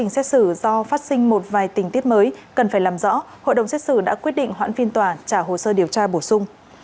xét xử do phát sinh một vài tình tiết mới cần phải làm rõ hội đồng xét xử đã quyết định hoãn phiên tòa trả hồ sơ điều tra bổ sung